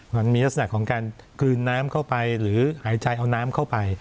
มันมีลักษณะของการกลืนน้ำเข้าไปหรือหายใจเอาน้ำเข้าไป